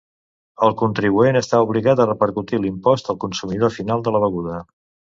El contribuent està obligat a repercutir l'impost al consumidor final de la beguda.